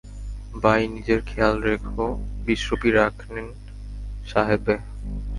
By নিজের খেয়াল রেখো বিশ রূপি রাখেন সাহবে?